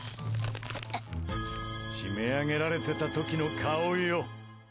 締め上げられてた時の顔よ！